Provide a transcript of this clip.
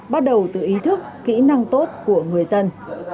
bắt đầu từ ý thức kỹ năng tốt của người dân